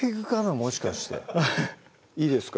もしかしていいですか？